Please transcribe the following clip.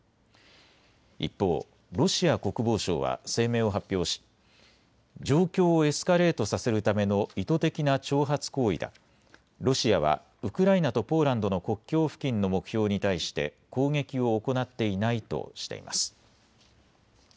一方、ロシア国防省は声明を発表し状況をエスカレートさせるための意図的な挑発行為だロシアはウクライナとポーランドの国境付近の目標に対して攻撃を行っていないとしています。